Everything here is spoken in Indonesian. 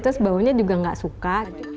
terus baunya juga nggak suka